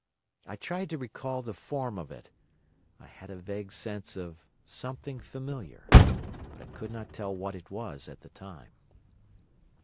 I tried to recall the form of it. I had a vague sense of something familiar, but I could not tell what it was at the time.